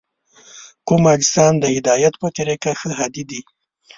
کوم اجسام د هدایت په طریقه ښه هادي دي؟